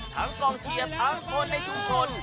กองเชียร์ทั้งคนในชุมชน